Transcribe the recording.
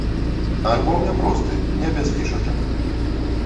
Альбом няпросты, не без фішачак.